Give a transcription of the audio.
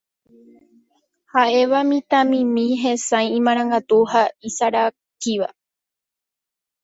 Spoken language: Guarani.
ha'éva mitãmimi hesãi, imarangatu ha isarakíva.